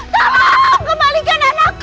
tolong kembalikan anakku